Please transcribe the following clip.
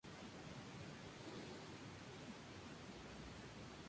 Allí triunfó como primera bailarina en Italia permaneciendo durante un año en Milán.